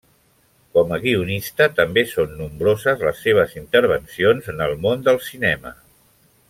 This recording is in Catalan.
Com a guionista, també són nombroses les seves intervencions en el món del cinema.